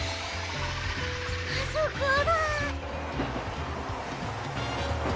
あそこだ。